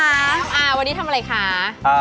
วันนี้ทำอะไรคะ